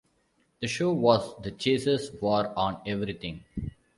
The show was "The Chaser's War on Everything".